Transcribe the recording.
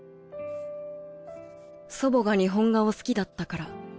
祖母が日本画を好きだったから。